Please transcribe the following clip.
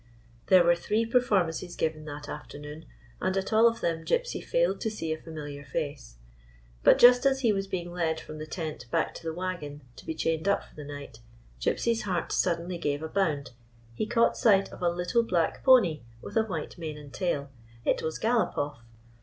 There were three performances given that afternoon, and at all of them Gypsy failed to see a familiar face. But, just as he was being led from the tent back 190 A TALK AT MIDNIGHT to the wagon to be chained up for the night, Gypsy's heart suddenly gave a bound. He caught sight of a little black pony with a white mane and tail. It was Galopoff.